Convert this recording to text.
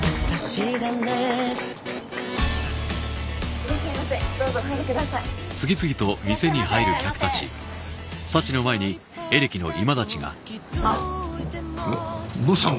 いらっしゃいませどうぞお入りくださいいらっしゃいませあっどうしたの？